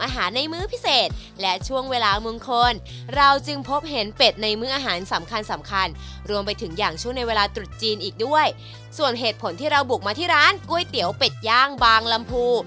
ส่วนเหตุผลที่เราบุกมาที่ร้านก๋วยเตี๋ยวเป็ดย่างบางลำพู